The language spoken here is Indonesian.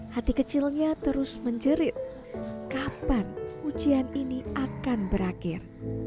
hati kecilnya terus menjerit kapan ujian ini akan berakhir